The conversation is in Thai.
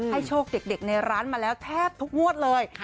โชคเด็กในร้านมาแล้วแทบทุกงวดเลย